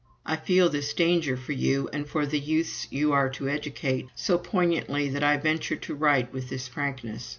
I feel this danger for you, and for the youths you are to educate, so poignantly that I venture to write with this frankness.